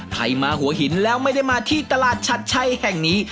ใครมาหัวหินแล้วไม่ได้มาที่ตลาดชัดชัยแห่งนี้